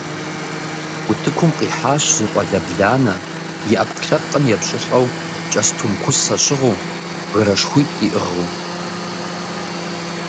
Утыкум къихьащ зы щӏалэ бланэ, и ӏэпкълъэпкъым епщӏылӏэу кӏэстум кусэ щыгъыу, гырэшхуитӏ иӏыгъыу.